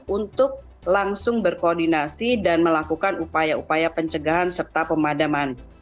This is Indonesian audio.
untuk langsung berkoordinasi dan melakukan upaya upaya pencegahan serta pemadaman